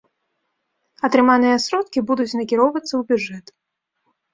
Атрыманыя сродкі будуць накіроўвацца ў бюджэт.